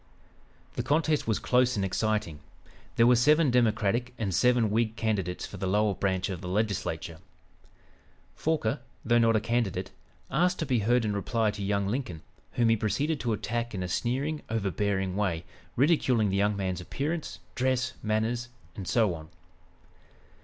The contest was close and exciting. There were seven Democratic and seven Whig candidates for the lower branch of the Legislature. Forquer, though not a candidate, asked to be heard in reply to young Lincoln, whom he proceeded to attack in a sneering overbearing way, ridiculing the young man's appearance, dress, manners and so on.